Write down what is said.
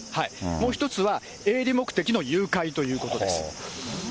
もう１つは営利目的の誘拐ということです。